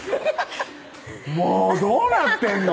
もうどうなってんの？